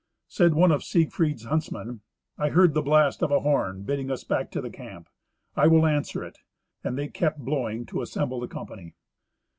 Said one of Siegfried's huntsmen, "I heard the blast of a horn bidding us back to the camp. I will answer it." And they kept blowing to assemble the company.